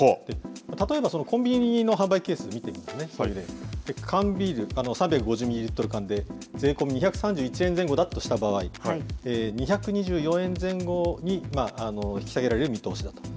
例えば、コンビニの販売ケースで見ていきますね、缶ビール、３５０ミリリットル缶で税込み２３１円前後だとした場合、２２４円前後に引き下げられる見通しだと。